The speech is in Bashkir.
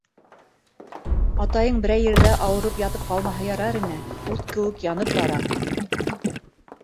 Атайың берәй ерҙә ауырып ятып ҡалмаһа ярар ине, ут кеүек янып бара.